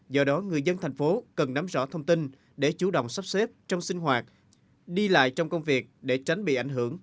do đó người dân thành phố cần nắm rõ thông tin để chủ động sắp xếp trong sinh hoạt đi lại trong công việc để tránh bị ảnh hưởng